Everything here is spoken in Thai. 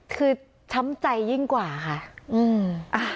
คือช้ำใจยิ่งกว่าค่ะ